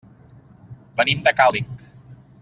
Venim de Càlig.